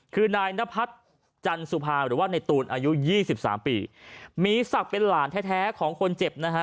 คือนายนพัฒน์จันสุภาหรือว่าในตูนอายุยี่สิบสามปีมีศักดิ์เป็นหลานแท้แท้ของคนเจ็บนะฮะ